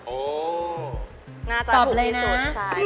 น่าจะถูกที่สุดใช่